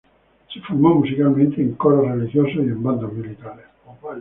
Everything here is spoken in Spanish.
Se formó, musicalmente, en coros religiosos y en bandas militares.